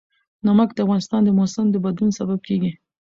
نمک د افغانستان د موسم د بدلون سبب کېږي.